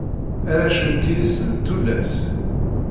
Arrac unti-is d tullas.